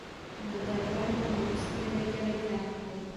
Em di derbarê tendirustiyê de gelekî axivîn.